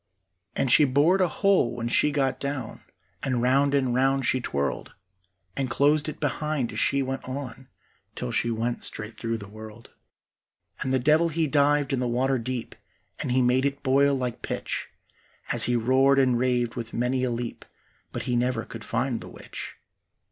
And she bored a hole when she got down, And round and round she twirled, And closed it behind as she went on, Till she went straight through the world. And the devil he dived in the water deep, And he made it boil like pitch As he roared and raved with many a leap, But he never could find the witch.